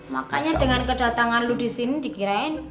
makanya dengan kedatangan lu disini dikirain